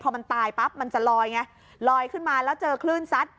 พอมันตายปั๊บมันจะลอยไงลอยขึ้นมาแล้วเจอคลื่นซัด